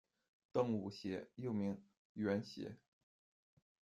邓武协，又名阮协。